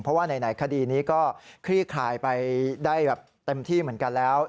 เพราะว่าไหนคดีนี้ก็คลี่คลายไปได้แบบเต็มที่เหมือนกันแล้ว